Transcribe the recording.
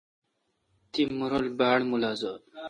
تی مہ رل باڑ ملازہ۔